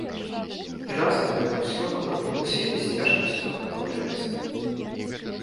І разам гэта ўсё абрынулася і з цяжкасцю аднаўляецца.